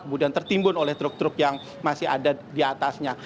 kemudian tertimbun oleh truk truk yang masih ada di atasnya